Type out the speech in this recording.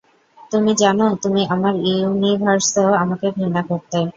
তুমি জানো, তুমি আমার ইউনিভার্সেও আমাকে ঘৃণা করতে।